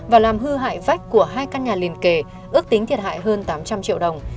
và làm hư hại vách của hai căn nhà liền kề ước tính thiệt hại hơn tám trăm linh triệu đồng